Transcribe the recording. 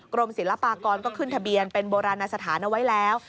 กรมศิลปากรก็ขึ้นทะเบียนเป็นโบราณสถานเอาไว้แล้ว